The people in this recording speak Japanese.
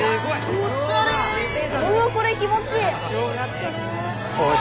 うわこれ気持ちいい。